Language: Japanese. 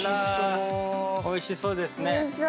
おいしそうですね。